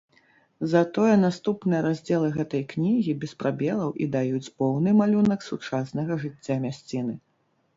Затое наступныя раздзелы гэтай кнігі без прабелаў і даюць поўны малюнак сучаснага жыцця мясціны.